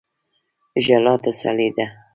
ژړا تسلی ده.